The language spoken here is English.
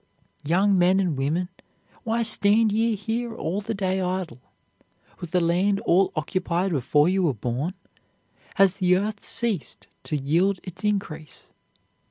Young men and women, why stand ye here all the day idle? Was the land all occupied before you were born? Has the earth ceased to yield its increase?